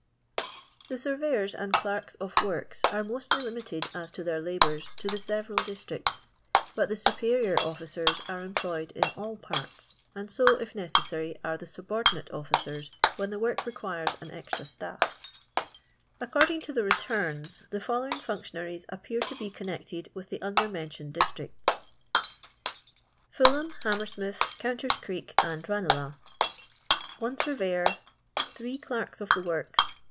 The surveyors and clerks of works an mostly limited as to their laboora to tho sevml districts ; bat the svperior offiesfs are eoiplojrd in all parts, and so, if necessary, are the saburdi nate officers when the work le^virea an eztia Btait According to the Setums, th« fblUwing lone tionaries appear to be connected with the under* mentioned districts :— Fulham, Hmmmtrsmltlk, 0>ttnler's Crtck, <md Ha^ I Surveyor. 9 CMerks of the Work«.